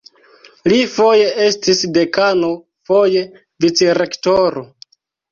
Li foje estis dekano, foje vicrektoro.